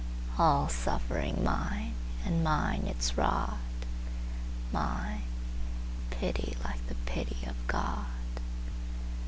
All suffering mine, and mine its rod; Mine, pity like the pity of God.